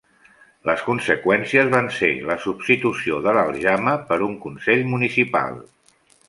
Les conseqüències van ser la substitució de l'Aljama per un Consell municipal.